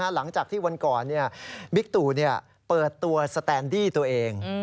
หลังจากที่วันก่อนบิ๊กตู่เปิดตัวสแตนดี้ตัวเอง